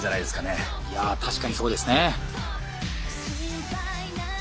いや確かにそうですね。